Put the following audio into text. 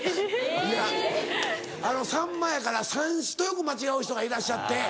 いやあのさんまやから三枝とよく間違う人がいらっしゃって。